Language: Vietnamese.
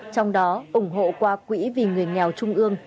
trong đó ủng hộ qua quỹ vì người nghèo trung ương